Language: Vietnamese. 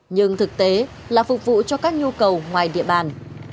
nhưng thực tế là phục vụ cho các nhu cầu ngoài địa bàn